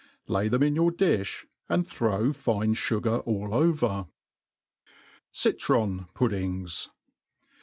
Lay them in your difh, and throw fine fugar all over. . Citron Puddings.